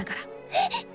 えっ！